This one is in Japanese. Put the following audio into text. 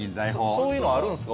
そういうのあるんですか？